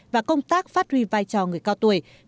và công tác phát huy vai trò người cao tuổi